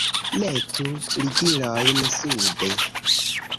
Metu ligilojn sube!